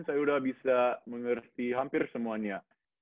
saya udah bisa mengerti hampir semuanya